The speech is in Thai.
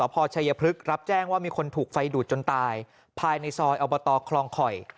ภายในซอยอัลบอตอคลองคอย